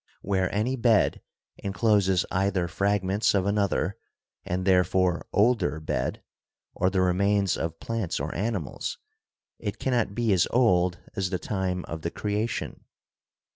Where any bed encloses either fragments of another and therefore older bed or the remains of plants or animals, it cannot be as old as the time of the Creation.